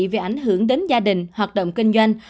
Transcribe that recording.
vì ảnh hưởng đến gia đình hoạt động kinh doanh